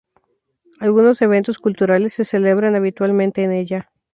Algunos eventos culturales se celebran habitualmente en ella.